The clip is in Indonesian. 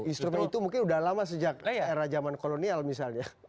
instrumen itu mungkin sudah lama sejak era zaman kolonial misalnya